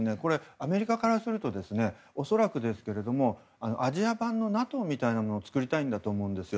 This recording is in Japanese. アメリカからすると恐らくですがアジア版のＮＡＴＯみたいなものを作りたいんだと思うんですよ。